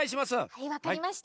はいわかりました。